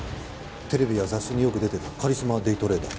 テレビや雑誌によく出てるカリスマデイトレーダー。